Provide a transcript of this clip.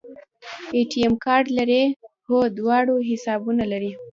اے ټي ایم کارت لرئ؟ هو، دواړو حسابونو لپاره